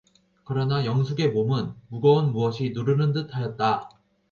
그러나 영숙의 몸은 무거운 무엇이 누르는 듯하였다.